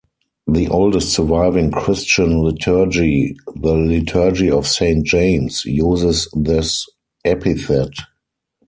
The oldest surviving Christian liturgy, the Liturgy of Saint James, uses this epithet.